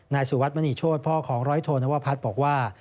สุวัสดิมณีโชธพ่อของร้อยโทนวพัฒน์บอกว่า